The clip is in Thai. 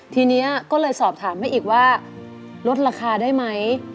ทีนี้ก็เลยสอบถามให้อีกว่าลดราคาได้ไหม